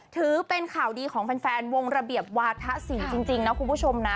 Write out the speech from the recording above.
ถือเป็นข่าวดีของแฟนวงระเบียบวาธศรีจริงนะคุณผู้ชมนะ